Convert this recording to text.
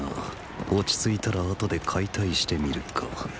落ち着いたら後で解体してみるか・止めろ！